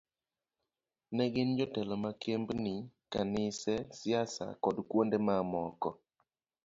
Ne gin jotelo ma kembni, kanise, siasa kod kuonde ma moko.